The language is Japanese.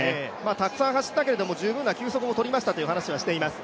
たくさん走ったけれども十分な休息もとりましたという話もしています。